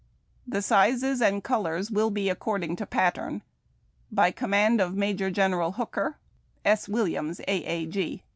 The sizes and colors will be according to pattern. By command of MAJOK GEJfEKAL HOOKER, S. Williams, A.A.